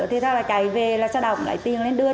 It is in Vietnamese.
thì sau đó là chạy về là sau đó cũng lấy tiền lên đưa